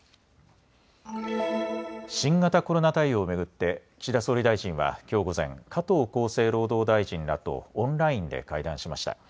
新型コロナ対応を巡って岸田総理大臣はきょう午前、加藤厚生労働大臣らとオンラインで会談しました。